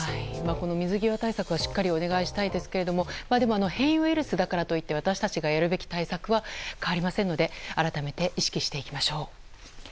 この水際対策はしっかりお願いしたいですが変異ウイルスだからといって私たちがやるべき対策は変わりませんので改めて意識していきましょう。